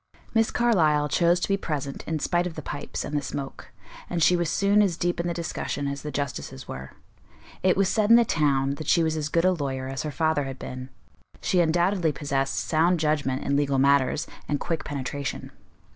Miss Carlyle chose to be present in spite of the pipes and the smoke, and she was soon as deep in the discussion as the justices were. It was said in the town, that she was as good a lawyer as her father had been; she undoubtedly possessed sound judgment in legal matters, and quick penetration.